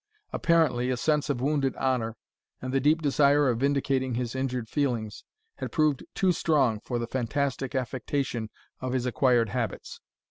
Apparently, a sense of wounded honour, and the deep desire of vindicating his injured feelings, had proved too strong for the fantastic affectation of his acquired habits.